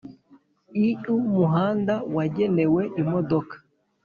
iumuhanda wagenewe imodoka